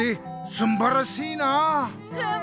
すんばらしい！